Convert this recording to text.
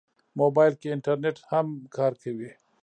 موبایل کې انټرنیټ هم کار کوي.